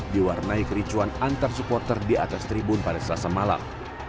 diwarnai kericuan antar supporter di atas tribun pada selasa malam